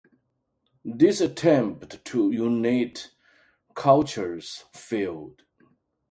This attempt to unite churches failed.